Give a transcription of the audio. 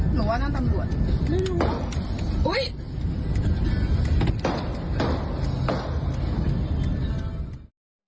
หนูว่านั่นตำรวจ